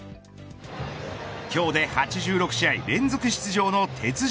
今日で８６試合連続出場の鉄人